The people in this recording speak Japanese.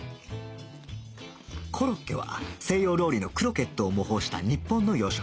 コロッケは西洋料理のクロケットを模倣した日本の洋食